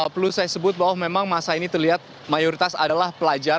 perlu saya sebut bahwa memang masa ini terlihat mayoritas adalah pelajar